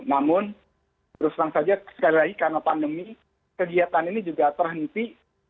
namun terus terang saja sekali lagi karena pandemi kegiatan ini juga terhenti